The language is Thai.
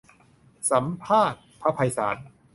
สัมภาษณ์ พระไพศาล